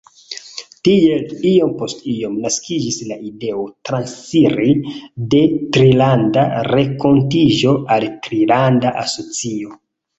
Tiel, iom post iom, naskiĝis la ideo transiri de Trilanda Renkontiĝo al trilanda asocio.